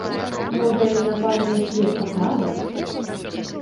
Можа яны напалі на след атрада?